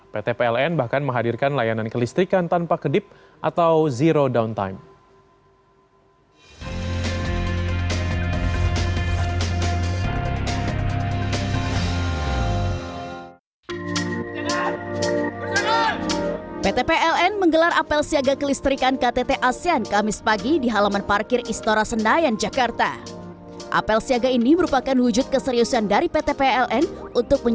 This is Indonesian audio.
pt pln bahkan menghadirkan layanan kelistrikan tanpa kedip atau zero downtime